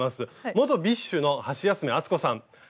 元ＢｉＳＨのハシヤスメさん